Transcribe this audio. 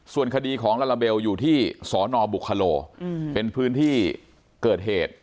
ส่วนคดีของลาลาเบลอยู่ที่สนบุคโลเป็นพื้นที่เกิดเหตุ